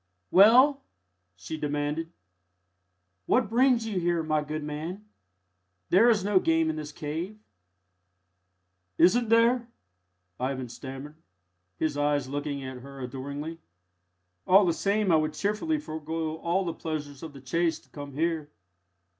"Well!" she demanded, "what brings you here, my good man? There is no game in this cave." "Isn't there?" Ivan stammered, his eyes looking at her adoringly. "All the same I would cheerfully forgo all the pleasures of the chase to come here."